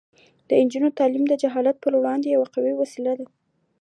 د نجونو تعلیم د جهالت پر وړاندې یوه قوي وسله ده.